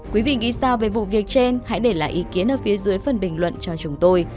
quý vị nghĩ sao về vụ việc trên hãy để lại ý kiến ở phía dưới phần bình luận cho chúng tôi